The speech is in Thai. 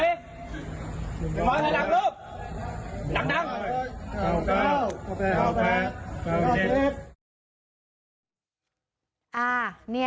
เราดูเหมือนเพิ่ม